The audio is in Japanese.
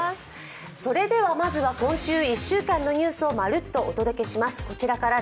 それではまずは今週１週間のニュースをまるっとお届けします。